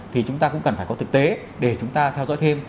thì chúng ta cũng cần phải có thực tế để chúng ta theo dõi thêm